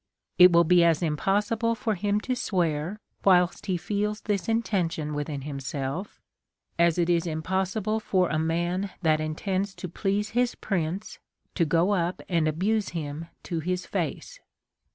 It will be as impossible for him to swear, whilst he feels this intention within himself, as it is impossible for a man that intends to please his prince to go up and abuse him to his face.